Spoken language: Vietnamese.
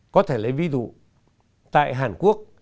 có thể lấy ví dụ tại hàn quốc